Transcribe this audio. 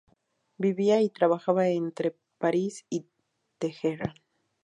Vivía y trabajaba entre París y Teherán.